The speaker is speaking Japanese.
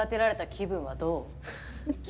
気分は、どう？